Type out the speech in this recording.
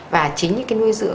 và chính những cái nguyên liệu